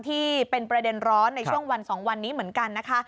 ที่เป็นประเด็นร้อนในช่วงวัน๒วันนี้เหมือนกันนะคะ